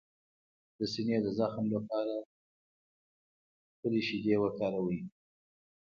د سینې د زخم لپاره د خپلې شیدې وکاروئ